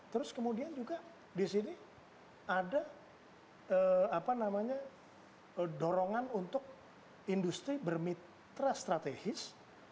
terus kemudian juga di sini ada dorongan untuk industri bermitra strategis